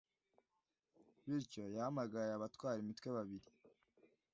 Bityo “yahamagaye abatwara imitwe babiri,